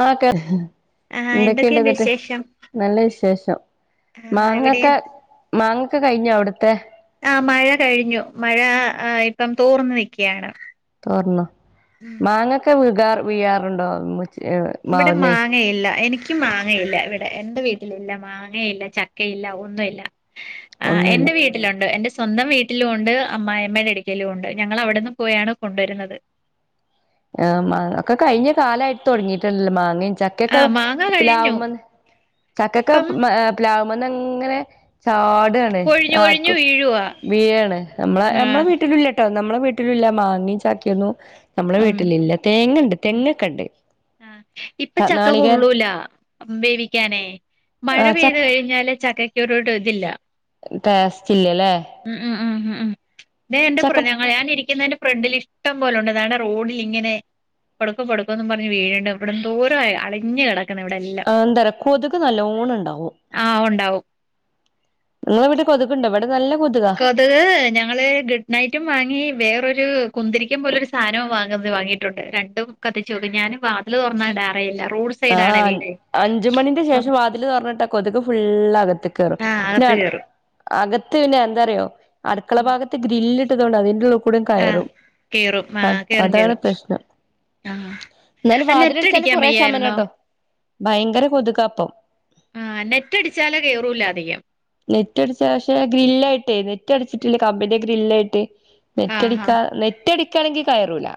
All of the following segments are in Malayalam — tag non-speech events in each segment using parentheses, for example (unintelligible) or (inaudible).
ആഹ് ക്കേ ആഹ് എന്തൊക്കെയുണ്ട് എന്നിട്ട് വിശേഷം നല്ല വിശേഷം ആഹ് ഇവിടെയും മാങ്ങക്കെ മാങ്ങക്കെ കഴിഞ്ഞോ അവിടുത്തെ? ആഹ് മഴ കഴിഞ്ഞു മഴ ഇപ്പം തോർന്ന് നിക്കെയാണ് തോർന്നോ മാങ്ങക്ക വീഗ്ഗാർ വീഴാറുണ്ടോ (unintelligible) ഇബ്ടെ മാ മാവുന്നേ ങ്ങയില്ല എനിക്കും മാങ്ങയില്ല ഇവടെ എന്റെ വീട്ടില് ഇല്ല മാങ്ങേയില്ല ചക്കേയില്ല ഒന്നും ഇല്ല ആഹ് ഒന്നുല്ല എന്റ വീ ട്ടിലുണ്ട് എന്റ സ്വന്തം വീട്ടിലും ഒണ്ട് അമ്മായിയമ്മടെ ഇടിക്കലും ഒണ്ട് ഞങ്ങള അവിടെന്ന് പോയാണ് കൊണ്ട് വരുന്നത് ആഹ് മാങ്ങ ഒക്ക കഴിഞ്ഞ കാലായി തൊടങ്ങീയിട്ടുണ്ടല്ലോ മാങ്ങേ ച കേക്കാം ആഹ് മാങ്ങ കഴിഞ്ഞു പ്ലാവ്മൻ ഇപ്പം ചക്കക്കേക്ക (unintelligible) പ്ലാവ്മെന്ന് അങ്ങനെ ചാട്ആ ണ് കൊഴിഞ്ഞു കൊഴിഞ്ഞു ആർക്കും വീഴുവാ വീഴാണ്. നമ്മള നമ്മള ആഹ് വീട്ടിലുല്ല ട്ടോ നമ്മള വീട്ടിലും ഇല്ല മാങ്ങേ ചാക്കേംന്നു നമ്മള വീ ഉം ട്ടിലില്ല തേങ്ങണ്ട് തെങ്ങക്കണ്ട് ത നാളികേരം ല്ല വേവിക്കാനേ മഴ ആ ച പെയ്തു കഴിഞ്ഞാല് ചക്കക്കൊരൂട്ട് ഇതില്ല ടേസ്റ്റ് ഇല്ല്യല്ലേ ഉം ഉം ഉം ഉം ഉം ദേ എന്റെ പ്രെ ഞങ്ങള ഞാനിരിക്കുന്നേന്റ ഫ്രണ്ടില് ഇഷ് ട്ടം പോല ഉണ്ട്. ദാണ്ട റോഡില് ഇങ്ങനെ പടുക്കോ, പടുക്കോ എന്നും പറഞ്ഞ് വീഴണ്ട്. ഇവിടെ ന്തോര ആയ അളിഞ്ഞ് കെട ക്കണവിടെല്ലാം. അതെ ന്താറിയോ, കൊത്ക് നല്ലോണം ഉണ്ടാവും. ആഹ് ഉണ്ടാവും നിങ്ങള വീട്ടിൽ കൊതുക് ഉണ്ടോ? ഇവടെ നല്ല കൊതുകാ. ഹേ, ഹേ ഞങ്ങള് ഗുഡ് നൈറ്റും വാങ്ങി, വേറൊരു കുന്തിരിക്കം, പോലൊരു സാദനവും വാങ്ങ വാങ്ങിയിട്ടുണ്ട് ര ണ്ടും കത്തിച്ച് വക്കും. ഞാനും വാതില് തൊറന്ന് ഇടാറെ ഇല്ല റോഡ് ആഹ്, സൈഡാണ് അഞ്, വീട് അഞ്ച് മണീന്റ അപ്പം ശേഷം വാതി തില് തൊറന്ന് ഇട്ടാ കൊതുക് ഫുള്ള് അകത്ത് കേറും, ആഹ് പിന്ന, അകത്ത് അട് കേറും അകത്ത് പിന്ന എന്താറിയോ അടുക്കള ഭാഗത്ത് ഗ്രില്ല് ഇട്ട തോണ്ട് അതി ന്റെ ഉള്ളു കൂടേം ആഹ് കയറും കേറും അ ആഹ് കേറും അതാണ് കേറും പ്രശ്നം. കു ആഹ് എന്നാലും വാതില് നെറ്റ് അട ച്ചാലും അടിക്കാൻ കുറെ വയ്യായിരുന്നോ ശമനാട്ടോ? ഭയങ്കര കൊതുകാ അപ്പം. ആഹ്, നെറ്റ് അടിച്ചാല് കേറൂല അധികം. നെറ്റ് അടിച്ച പക്ഷെ, ഗ്രില്ലായിട്ടേ നെറ്റ് അടിച്ചിട്ടില്ല കമ്പിന്റെ ഗ്രില്ലായിട്ടെ. ആഹ് നെറ്റടിക്കാ ആഹ് നെറ്റടിക്കാണെങ്കി കയറൂല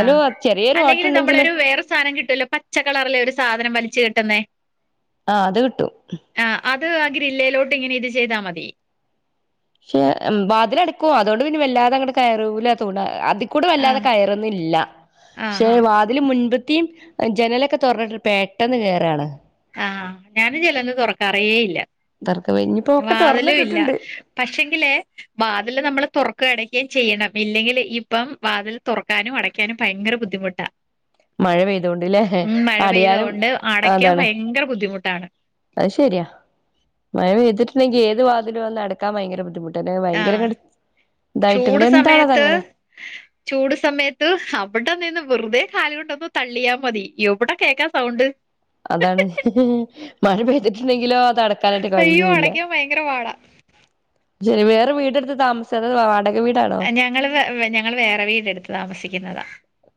ആഹ് ചെറിയൊരു ഓട്ട അല്ലെങ്കിൽ ഉണ്ടെങ്കില് നമ്മളൊരു വേറെ സാധനം കിട്ടുല്ലോ, പച്ചക്കളറിലെ ഒരു സാധനം വലിച്ചു കെട്ടുന്നേ ആഹ്, അത് കിട്ടും. ആഹ്, അത് ആഹ് ഗ്രില്ലേലോട്ട് ഇങ്ങനെ ഇട്ട് ചെയ്താ മതി. പക്ഷെ, വാതില് അടക്കും. അതുകൊണ്ട് പിന്ന വല്ലാതങ്ങട് കയറൂല തോണ അത് ക്കൂടെ വല്ലാത ആഹ് കയറുന്നില്ല. ആഹ് പക്ഷെ ആഹ് വാ തില് മുൻപത്തിയും ജനലൊക്ക തൊറന്നിട്ട് പെട്ടെന്ന് കേറാണ്. ആഹ്, ഞാനും ജനല് തൊറക്കാറേ ഇല്ല. തർക്ക ഇനിയിപ്പോ ഒക്കെ വാതിലും ഇല്ല. തുറന്നിട്ടിട്ടുണ്ട് പക്ഷെ ങ്കിലേ വാതില് നമ്മള് തൊറക്കേം അടക്കേം ചെയ്യണം. ഇല്ലെങ്കില് ഇപ്പം വാതില് തൊറക്കാനും അട ക്കാനും ഭയങ്കര ബുദ്ധിമുട്ടാ. മഴ പെയ്തത് കൊണ്ട് ല്ലേ, ഉം മഴ അടയാനും പെയ്തോണ്ട് അടയ്ക്കാൻ അതാണ്. ഭയങ്കര ബുദ്ധിമുട്ടാണ് അത് ശരിയാ, മഴ പെയ്തിട്ടുണ്ടെങ്കി ഏത് വാതിലും, വന്ന് അടക്കാൻ ഭയങ്കര ബുദ്ധിമു ട്ടാ ആഹ് ഭയങ്കരങ്ങട്ട് ഇതായിട്ട് ഇങ്ങനെ ചൂട് എന്താണത് സമയത്ത് അങ്ങനെ. ചൂട് സമയത്ത് അവിട നിന്ന് വെറുതെ കാല് കൊണ്ടൊന്ന് തള്ളിയാ മതി. എവിട കേക്കാ സൗണ്ട്. അതാണ്. മഴ പെയ്തിട്ടുണ്ടെങ്കിലോ, അതട ടക്കനെറ്റെ അയ്യോ കഴിയൂല്ല. അടയ്ക്കാൻ ഭയങ്കര പാടാ ശരി, വേറെ വീട് എടുത്ത് താമസ അത് വാടക വീടാണോ ഞങ്ങൾ വേ, ഞങ്ങൾ വേറെ വീടെട്ടുത്ത് താമസിക്കുന്നതാ.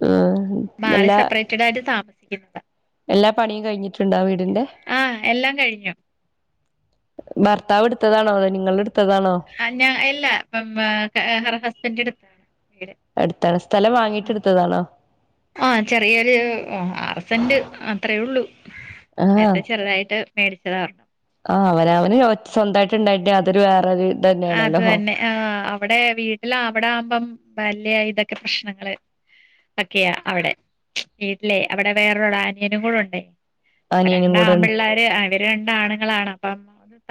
ആഹ് മാറി നല്ല സപ്പറേറ്റ്. കടായിട്ട് താമസിക്കുന്നത്. എല്ലാ പണിയും കഴിഞ്ഞിട്ടുണ്ടാ വീടിന്റെ. ആഹ്, എല്ലാം കഴിഞ്ഞു. ഭർത്താവ് എടുത്ത താണോ? അതോ നിങ്ങള് എടുത്ത താണോ? ആഹ്, ഞാൻ ഇല്ലാ ബ ബാ ഹസ്ബൻഡ എടുത്തതാണ് വീട്. അടുത്താണ്, സ്ഥലം വാങ്ങിട്ട് എടുത്തതാണോ? ആഹ്, ചെറിയൊരു ആറ് സെന്റ് അത്രേള്ളു ആഹ് അത്തെ ചെറുതായിട്ട്. മേടിച്ചതാ. ആഹ്, അവന അവന് യൊ സ്വന്തമായിട്ട് ഇണ്ടായിട്ട് അതൊരു വേറൊരു ഇത് അത് തന്നെയാണല്ലോ തന്നെ, ആഹ് അവിടെ വീട്ടില അവിടെ ആകുമ്പം വല്ല്യ ഇതൊക്കെ പ്രശ്നങ്ങള്. ഒക്കെയാ, അവിടെ വീട്ടിലെ, അവിടെ വേറൊട അനിയനും കൂടെ ഉണ്ട്. അപ്പ അനിയനും കൂടെ ഉണ്ട് രണ്ടാമ്പിള്ളേര്. അവര് രണ്ടാണുങ്ങളാണ്. അപ്പ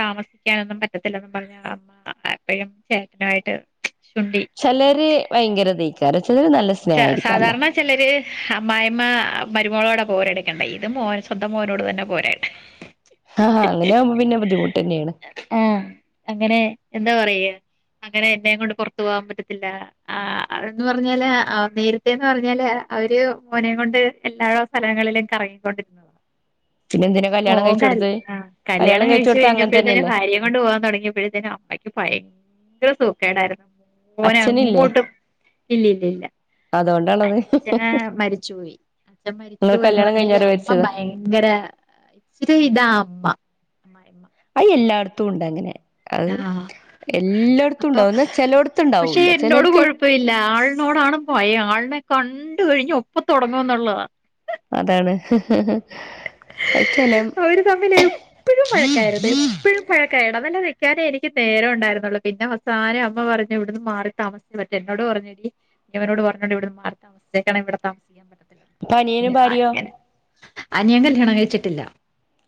താമസിക്കാനൊന്നും പറ്റത്തില്ല ന്നും പറഞ് (unintelligible) എപ്പഴും ചേട്ടനായിട്ട് ശുണ്ഠി ചെലര് ഭയങ്കര ഇതയ്ക്കാരം ചിലര് നല്ല സാ സ്നേഹായിരിക്കാല്ലോ സാധാരണ ചിലര് അമ്മായിയമ്മ മരുമോളോടാ പോരെടുക്കണ്ടെ ഇത് മോൻ സ്വന്തം മോനോട് തന്നെ പോരാ ഹാഹ് അങ്ങനെ ആവുമ്പോ പിന്നെ ബുദ്ധിമുട്ട് തന്നെയാണ് ആഹ് അങ്ങനെ എന്താ പറയ അങ്ങനെ എന്നെയും കൊണ്ട് പുറത്തു പോവാൻ പറ്റത്തില്ല ആഹ് അഹ് എന്ന് പറഞ്ഞാല് ആഹ് നേരത്തെന്ന് പറഞ്ഞാല് അവര് മോനെ കൊണ്ട് എല്ലാ സ്ഥലങ്ങളിലും കറങ്ങിക്കൊണ്ടിരി പിന്നെ എന്തിനാ കല്യാണം കഴിച്ച് കൊടുത്തത് ആ കല്യാണം കഴിച്ച് കഴിച്ചു കൊടുത്ത അങ്ങനെ കഴിഞ്ഞപ്പോഴത്തേനും തന്നെയല്ലേ ഭാര്യയെ കൊണ്ട് പോകാൻ തുടങ്ങിയപ്പോഴത്തിന് അമ്മക്ക് ഭയങ്കര സുക്കേടായിരുന്നു മോനെ അച്ഛനില്ലേ എങ്ങോട്ടും ഇല്ല ഇല്ല ഇല്ല അതോണ്ടാണത് അച്ഛന് മരിച്ചു പോയി അച്ഛൻ മരിച്ചു നിങ്ങൾ പോയീന്ന് കല്യാണം പറഞ്ഞാ ഈ കഴിഞ്ഞാരെ അമ്മ മരിച്ചതാ ഭയ ങ്കര ഇച്ചിരി ഇതാ അമ്മ അമ്മായമ്മ അയഹ് എല്ലാടത്തും ഉണ്ട് അങ്ങനെ അഹ് ആ എല്ല എല്ലോട്ത്തും അപ്പൊ ഉണ്ടാവും ന്ന ചെലോട്ത്തുണ്ടാവൂല്ല ചെലർക്ക് ഇപ്പ ഇല്ല ആളിനോടാണ് ഭയം ആളിനെ കണ്ട കഴിഞ്ഞ് ഒപ്പം തുടങ്ങും എന്നുള്ളതാ അതാണ് അത് ചെലെ അവര് തമ്മില് എപ്പഴും വഴക്കായിരുന്ന് എപ്പഴും (unintelligible) ഴൊക്കെ ഇടനില നിൽക്കാനേ എനിക്ക് നേരം ഉണ്ടായിരുന്നുള്ളു പിന്നവസാനം അമ്മ പറഞ്ഞു ഇവിടുന്ന് മാറി താമസി മറ്റ എന്നോട് പറഞ്ഞു എടീ ഇവനോട് പറഞ്ഞോണ്ട് ഇവിടന്ന് മാറി താമസിച്ചേക്കണേ ഇവിടെ താമസിക്കാൻ പറ്റത്തില്ല ഇപ്പ അനിയനും ഭാര്യോ അനിയൻ കല്യാണം കഴിച്ചിട്ടില്ല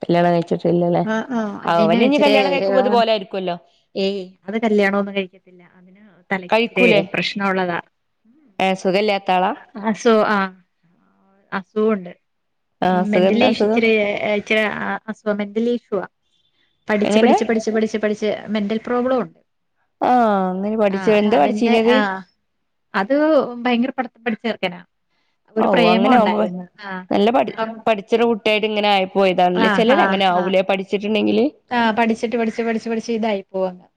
കല്യാണം കഴിച്ചിട്ടില്ലല്ലേ ആഹ് ആഹ് അനിയന് അവനിനി ഇച്ചിരെ കല്യാണം കഴിക്കുമ്പോ ഇത് പോലെ ആയിരിക്കോല്ലോ ഏയ് അത് കല്ല്യാണോന്നും കഴിക്കത്തില്ല അതിന് തലക്ക് ഇച്ചിരി കഴിക്കൂലേ പ്രശ്നം ഉള്ളതാ ഏ സുഖല്ലാത്ത ആളാ അസു ആഹ് അസുഖണ്ട് ആ ഉം അസുഖം എന്താ മെന്റലി അസുഖം ഏഹ് ഏറ്റ ആസുഖാ മെൻ്റലി ഇഷ്യൂവാ പഠിച്ച് എങ്ങനെ പഠിച്ച് പഠിച്ച് പഠിച്ച് പഠിച്ച് മെന്റൽ പ്രോബ്ലം ഉണ്ട് ആ അങ്ങനെ പഠിച്ചു ആഹ് അപ്പൊ എന്താ അതിന്റെ പഠിച്ചീനത് ആഹ് അത് ഭയങ്കര പഠിത്തം പഠിച്ച ചെർക്കനാ ഒരു ഓ പ്രേമം അങ്ങനെ ഉണ്ടായിരുന്നു ആഹ് (unintelligible) കുട്ടായിട്ട് ഇങ്ങനെ ആയിപ്പോയതാണല്ലേ ചിലർ അങ്ങനെ ആവൂല്ലേ പഠിച്ചിട്ടുണ്ടെങ്കില് ആഹ് പഠിച്ച്ട്ട് പഠിച്ച് പഠിച്ച് പഠിച്ച് ഇതായി പോവും അങ്ങ്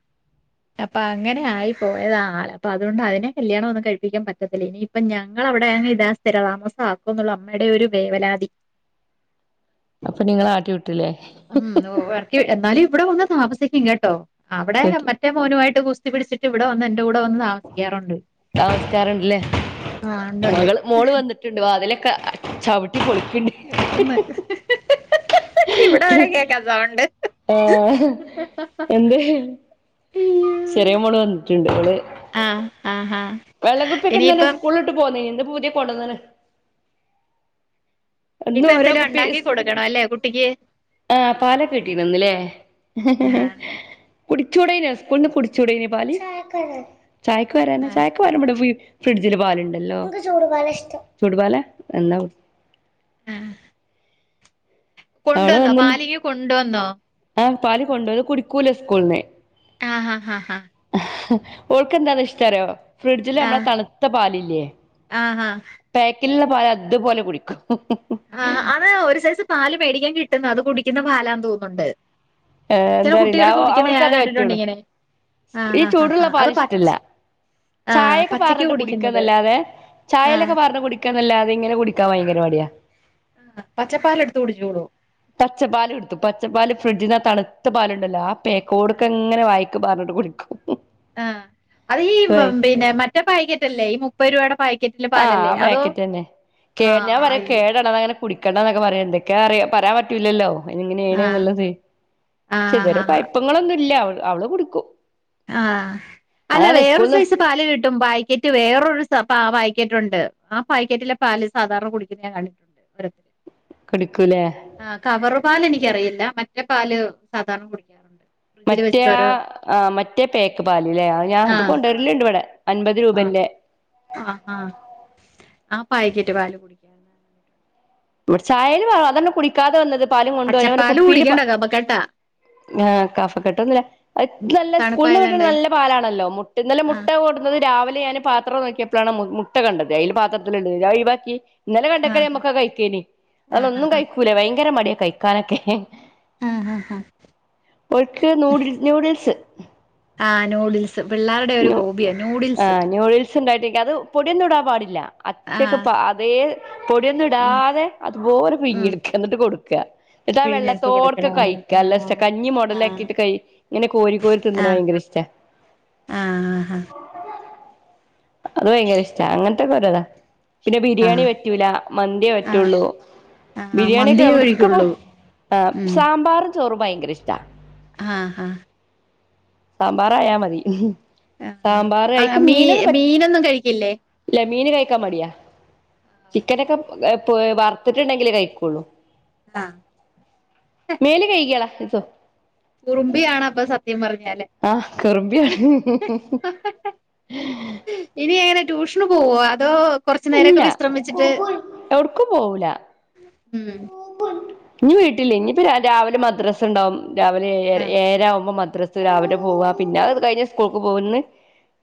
അപ്പൊ അങ്ങനെ ആയി പോയതാ ആള് അപ്പൊ അതുകൊണ്ട് അതിനെ കല്യാണം ഒന്നും കഴപ്പിക്കാൻ പറ്റത്തില്ല ഇനി അപ്പൊ ഞങ്ങൾ അവിടെയങ്ങ് ഇതാ സ്ഥിരതാമസം ആക്കും എന്നുള്ള അമ്മയുടെ ഒരു വേവലാതി അപ്പൊ നിങ്ങളെ ആട്ടി വിട്ടില്ലേ ഉം ഓഹ് ഇവർക്ക് എന്നാലും ഇവിടെ വന്ന് താമസിക്കും കേട്ടോ അവിടെ കേട്ട് മ റ്റേ മോനു ആയിട്ട് ഗുസ്തി പിടിച്ചിട്ട് ഇവിടെ വന്ന് എന്റെ കൂടെ വന്ന് താ താമസിക്കാറുണ്ട് താമസിക്കാറുണ്ടല്ലേ ആഹ് ഉണ്ട് ഉണ്ട് ട്ടുണ്ട് വാതിലൊക്കെ ചവിട്ടി പൊളിക്ക്ണ്ട് കേൾക്കുന്ന് ഇവിടെ വരെ കേക്കാ സൗണ്ട് ആഹ് എന്ത് ചെറിയ മോള് വന്നിട്ടുണ്ട് അവള് ആഹ് ആഹ് ആഹ് വെള്ളംകുപ്പിയൊക്കെ ഇന്നലെ ഇനിയിപ്പം സ്കൂൾ ട്ട്പോന്ന് ഇന്ന്പ്പ പുതിയ കൊണ്ടന്ന് എന്നും ഇനിയിപ്പ ഓരോ എന്തേലും ഉണ്ടാക്കി കൊടുക്കണ അല്ലേ കുട്ടിക്ക് ആഹ് പാലകിട്ടിന്നന്ന് ല്ലേ ആഹ് കുടിചൂടെയിന്നോ കുടിക്കൂടായിന്ന പാൽ ചായക്ക് വരാനാ ആഹ് ചായക്ക് ടെ ഫ്രിഡ്ജില് പാലുണ്ടല്ലോ ചൂട് പാലാഷ്ടം ചൂട്പാല എന്നാ അഹ് അവള് കൊണ്ടുവന്നോ വന്നിണ്ട് പാല് ഈ കൊണ്ടുവന്നോ ആ പാൽ കൊണ്ട് പോന്ന് കുടിക്കൂല സ്കൂളിന്ന് ആഹ്ഹാ ഹാ ഓൾക്കെന്താ ഇഷ്ടാറിയോ ഫ്രിഡ്ജിൽ നമ്മളെ ആഹ് തണുത്ത പാലില്ലേ. ആഹ് ആഹാ പാക്കിലുള്ള പാൽ അതുപോലെ കുടിക്കും ആ അത് ഒരു സൈസ് പാല് മേടിക്കാൻ കിട്ടുന്നു അത് കുടിക്കുന്ന പാലാന്ന് തോന്നുന്നുണ്ട് ഏ ചില എന്താറിയില്ല കുട്ടികള് കുടിക്കുന്ന ഞാൻ അവൾക്കതേ കണ്ടിട്ടുണ്ട് പറ്റുള്ളു ഇങ്ങനെ ആഹ് ഈ ആഹ് ആഹ് ചൂടുള്ള ആഹ് അത് പാൽ പച്ച ഇഷ്ടല്ല ആഹ് ചായൊക്കെ പച്ചക്ക് പാർന്നിട്ട് കുടിക്കുന്നത് കുടിക്കന്നല്ലാതെ ആഹ് ചായലൊക്കെ പാർന്ന് കുടി ഒക്കെ ന്നല്ലാതെ ഇങ്ങനെ കുടിക്ക ഭയങ്കരമടിയാ പച്ചപ്പാൽ എടുത്ത് കുടിച്ചോളൂ പച്ചപ്പാൽ എടുത്തു പച്ചപ്പാൽ ഫ്രിഡ്ജിൽന്ന തണുത്ത പാലുണ്ടല്ലോ ആ പേക്കോടൊക്കെ ങ്ങനെ വായിക്ക പാർന്നട്ട് കുടിക്കും ആഹ് അത് ഈ ആഹ് പിന്നെ മറ്റേ പാക്കറ്റല്ലേ ഈ മുപ്പത് രൂപയുടെ പാക്കറ്റ് ആഹ് ആ പാക്കറ്റ്ന്നെ കേ ആഹ് ഞാൻ പറയാ അയ്യോ കേടാണ് അത് അങ്ങനെ കുടിക്കേണ്ട എന്നൊക്കെ പറയണ്ട് എന്തൊക്കെ പറയാൻ പറ്റൂലല്ലോ എങ്ങനെയാണ് ആഹ് എന്നുള്ളത് പക്ഷെ ആഹ് ഇതുവരെ ആഹ് കൊയ്പ്പങ്ങളൊന്നും ഇല്ല അവ അവള് കുടിക്കും ആഹ് അല്ല അതാണ് വേറെ സ്കൂൾന്ന് സൈസ് പാല് കിട്ടും പായ്ക്കറ്റ് റ്റ് വേറൊരു സ പ പായാക്കറ്റ് ഉണ്ട് ആ പാക്കറ്റിലെ പാല് സാധാരണ കുടിക്കുന്ന ഞാൻ കണ്ടിട്ടുണ്ട് ർ കുടിക്കൂലെ ആഹ് കവർ പാൽ എനിക്കറിയില്ല മറ്റെ പാൽ സാധാരണ കുടിക്ക മറ്റേ ആഹ് മറ്റേ പേക്ക് പാലല്ലേ ഞാൻ അത് ആഹ് കൊണ്ടുവരലണ്ട് ഇവിടെ അൻപത് രൂപന്റെ ആഹാ ആ പായ്ക്കറ്റ് പാല് കുടിക്കും ഇവിടെ ചായൽ വെള്ളം കുടിക്കാതെ വന്നത് പാലും കൊണ്ട് അവടെ പച്ചപ്പാല് കുപ്പിയില് കുടിക്കണ്ട കപക്കെട്ടാ ആഹ് കഫ് കെട്ട്ഒന്നുല്ല നല്ല സ്കൂളിൽ കിട്ട്ന്ന തണുപ്പായതോണ്ടേ നല്ല പാലാണല്ലോ മുട്ടന്നലെ മുട്ട ആഹ് ഇന്ന് രാവിലെ ഞാന് പാത്രം നോക്കിയപ്പോഴാണ് മുട്ട കണ്ടത് അതിൽ പാത്രത്തില് ഒള്ളത് ഞാൻ ഒഴിവാക്കി ഇന്നലെ കണ്ടക്കള ആഹ് നമ്മുക്കാ കഴിക്കേനി ആഹ് അതൊന്നും ആഹ് കഴിക്കൂലേ ഭയങ്കര മടിയാ കഴിക്കാനൊക്കെ ആഹ് ഹ ഹ ഓർക് നൂഡിൽ നൂഡിൽസ് ആ നൂഡിൽസ് പിള്ളേരുടെ ഒരു ഹോബിയ നൂഡിൽസ് ണ്ടായിട്ടെക്ക്ത് പൊടിയന്നും ഇടൻ പാടില്ല അച്ചക് ആഹ് പ അതേ പൊടിയൊന്നും ഉം ഇടാതെ അതുപോലെ ഉം പിയിഞ്ഞടുക്ക എന്നിട്ട് കൊടുക്ക ന്നിട്ട് ആ പിഴിഞ്ഞെടുത്ത് വെള്ളത്തോട്ക്കെ കൊടുക്കണംന്ന് കഴിക്കാ ആഹ് അല്ല കഞ്ഞി മോഡലാക്കിട്ട് കഴി ഇങ്ങനെ കോരി കോരി തിന്നണ ആഹ് ആഹ് ഭയങ്കര ഇഷ് ട്ട ആഹ് ഹാ ഹാ അത് ഭയങ്കര ഇഷ്ടാ. അങ്ങൻത്തെക്കെ ഓരൊ താ പിന്നെ ബിരിയാണി ആഹ് പറ്റൂലാ. മന്ത്യേ ആഹ് പറ്റുള്ളൂ. ആഹ് ബിരിയാണിയൊക്കെ മന്തിയേ എവ്ട് ക്ക് പോ കഴിക്കുള്ളൂ ആഹ് ഉം സാമ്പാറും ചോറും ഭയങ്കരഇഷ്ടാ. ആഹ് ആഹ് സാമ്പാറായാ മതി. ആഹ് ആഹ്. സാമ്പാറ് ആഹ് മീ മീനൊന്നും കഴിക്കില്ലെ? ല്ല മീന് കഴിക്കാൻ മടിയാ. ചിക്കനൊക്കെ പൊ ഏഹ് പൊ വർത്ത് ട്ട്ണ്ടെങ്കിലെ കഴിക്കൊള്ളു. ആഹ് മേല് കെയ്ക്യാളാ റിസൊ കുറുമ്പിയാണ് അപ്പൊ സത്യം പറഞ്ഞാല് ആഹ് കുറുമ്പിയാണ്. ഇനി എങ്ങനെ ട്യൂഷന് പോവൊ. അതോ? കൊറച്ചു നേരൊക്കെ ഇല്ല വിശ്രമിച്ചിട്ട് ഉം. ഇഞ്ഞ് വീട്ടില്. ഇഞ്ഞിപ്പ ര രാവിലെ മദ്രാസ‌ൻണ്ടാവും. രാവിലെ ഏഴര ആഹ് ഏഴരാവ്മ്പം മദ്രസ് രാവിലെ പോവാ. പിന്നെ അത് കഴിഞ്ഞ് സ്കൂൾക്ക് പോവും. ഇന്ന്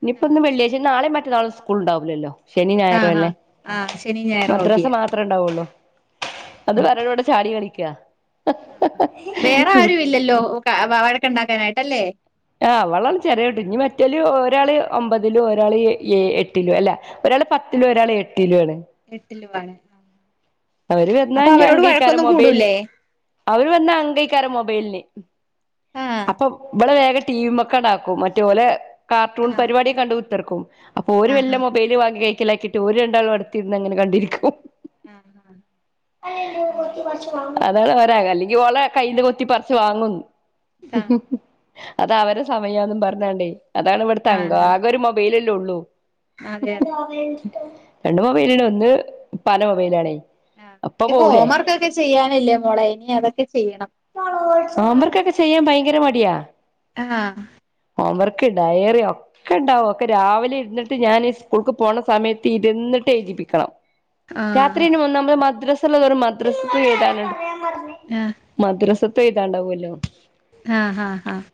നിപ്പം ന്ന് വെള്ളിയാഴ്ചെ നാളെം മറ്റന്നാളും സ്... സ്കൂൾ ണ്ടാവൂലല്ലൊ. ശനിം ആഹ് ഞായറും അല്ലെ. ആഹ് ആഹ് ശനി ഞായറും മദ്രസ് അവധിയാ മാത്രെ ണ്ടാവൊള്ളു. അത് പർഞ്ഞപ്പം ഇവടെ ചാടി ക്കളിക്കാ. (unintelligible) വേറെ ആരുവില്ലല്ലൊ ക വ വഴക്ക്‌ ണ്ടാക്കാനായിട്ട് അല്ലേ. ആഹ് അവളാണ് ചെറിയ കുട്ടി. ഇഞ്ഞി മറ്റോല് ഒരാള് ഒമ്പതിലു ഒരാള് എ ഏയ്‌ എട്ടിലും അല്ല ഒരാള് പത്തിലും ഒരാള് എട്ടിലും ആണ്. എട്ടിലുമാണ്. അവര് വന്നാ ഇഞ്ഞി അംങ്കേക്കാരം വഴക്കൊന്നും മൊബൈൽന്. കൂടൂലേ അവര് വന്നാ അംങ്കേക്കാരം മൊബൈൽ ന്. ആഹ് അപ്പൊ വളെ വേഗം ടി വി മെക്കണ്ടാക്കും. മറ്റൊ ഓലെ കാർട്ടൂൺ ആഹ് പരിപാടിയ ക്കണ്ട് കുത്തർക്കും. അപ്പൊ ഓര് ആഹ് വെല്ല മൊബൈല് വാങ്ങി കൈക്കലാക്കിട്ട് ഓര് രണ്ടാളും അട്ത്തിര്ന്നങ്ങനെ കണ്ടിരിക്കും. ആഹ്. ആഹ് അതവള് വരാ. അല്ലെങ്കി ഓളെ കയ്യില്‌ കൊത്തിപർച്ച് വാങ്ങും. ആഹ് അത് അവരെ സമയാന്നും പർഞ്ഞാണ്ടെ. അതാണ് ഇവട്ത്തെ അങ്കം. ആഹ് ആഹ് ആകെ ഒര് ബൈലല്ലെ ഒള്ളു. അതെ അതെ രണ്ട് മൊബൈല്ണ്ട്. ഒന്ന് ഇപ്പാൻ്റെ മൊബൈലാണെ. ആഹ്. ഞ് പ്പൊ ഹോം വർക്കൊക്കെ ചെയ്യാനില്ലെ മോളെ ഇനി അതൊക്കെ ചെയ്യണം. ഹോംവർക്കൊക്കെ ചെയ്യാൻ ഭയങ്കര മടിയാ. ആഹ് ഹോംവർക്ക്, ഡൈറി ഒ ക്കെണ്ടാവും. ഒക്കെ രാവിലെ ഇര്ന്ന്ട്ട് ഞാന് ഈ സ്കൂൾക്ക് പോണ സമയത്ത് ഇര്ന്ന്ട്ട് എഴ്തിപ്പിക്കണം. രാത്രി ആഹ് അയിന് ഒന്നാമത് മദ്രസ് ള്ള തോറും മദ്രസ്ക്ക് എഴ്താന്നുണ്ടാവും. ആഹ് മദ്രസ്ത്തെ എഴ്താണ്ടാവല്ലൊ ആഹ് അഹ് അഹ്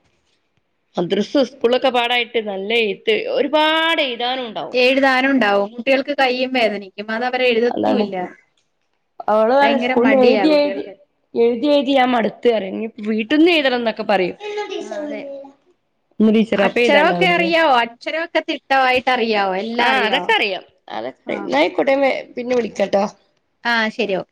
മദ്രസ്, സ്കൂളൊക്കെ പാടായിട്ട് നല്ല എഴത്ത്. ഒരുപാട് എഴ്താനുണ്ടാവും. എഴ്താനുണ്ടാവും. കുട്ടികൾക്ക് കയ്യും വേദനിക്കും. അത് അവരെ അതാണ് എഴ്തത്തൂല്ലാ. അവള് പറയും സ്കൂൾന്ന്‌ എഴ്തി, എഴ്തി എഴ്തി, എഴ്തി ഞാം മട്ത്ത് അറിയും. ഇഞ്ഞി വീട്ട്ന്ന് ആഹ് എഴ്തണംന്നൊക്കെ പറയും. ഇന്ന് ടീച്ചറോ അപ്പൊ അക്ഷരവൊക്കെ എഴുതാണ്ടാവൂലല്ലേ അറിയാവൊ? അക്ഷരവൊക്കെ തിട്ടവായിട്ട് അറിയാവൊ. എല്ലാം ആഹ് അറിയൊ? അതൊക്കെ അറിയാം അതൊക്കെ. ന്നാ അയ്ക്കോട്ടെ പിന്നെ വിളിക്കട്ടൊ. ആഹ് ശെരി ഓ